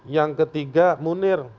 yang ketiga munir